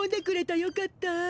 よかった。